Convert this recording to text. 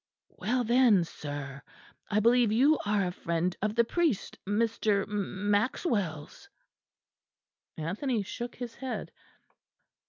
"Well then, sir; I believe you are a friend of the priest Mr. M Maxwell's." Anthony shook his head.